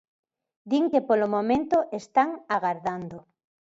Din que polo momento están agardando.